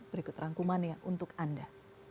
berikut rangkumannya untuk anda